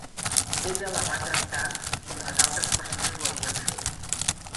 Ella la va tractar com les altres persones ho havien fet.